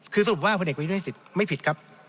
คือสรุปว่าพลเอกประยุทธ์สิทธิ์ไม่ผิดครับ